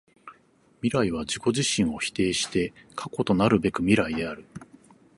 未来は自己自身を否定して過去となるべく未来である。